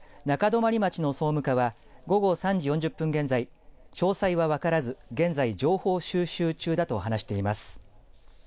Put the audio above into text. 中泊町の総務課は午後３時４０分現在、詳細は分からず現在、情報収集中だと話しています。